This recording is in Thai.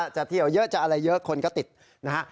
จะเที่ยวเยอะจะอะไรเยอะคนก็ติดนะฮะ